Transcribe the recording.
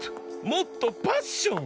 もっとパッション！